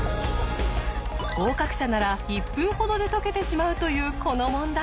合格者なら１分ほどで解けてしまうというこの問題。